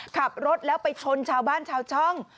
ขับรถแล้วไปชนชาวบ้านชาวช่อง